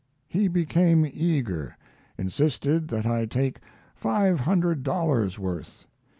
He became eager; insisted that I take five hundred dollars' worth.